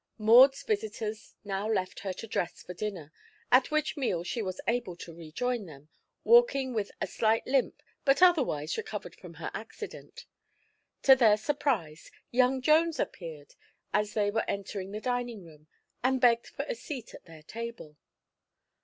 Maud's visitors now left her to dress for dinner, at which meal she was able to rejoin them, walking with a slight limp but otherwise recovered from her accident. To their surprise, young Jones appeared as they were entering the dining room and begged for a seat at their table.